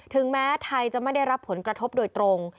แม้ไทยจะไม่ได้รับผลกระทบโดยตรง